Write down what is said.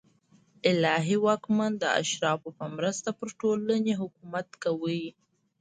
الهي واکمن د اشرافو په مرسته پر ټولنې حکومت کاوه